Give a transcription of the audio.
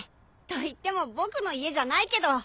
といっても僕の家じゃないけど。